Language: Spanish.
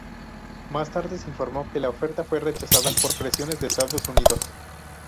Más tarde se informó que la oferta fue rechazada por presiones de Estados Unidos.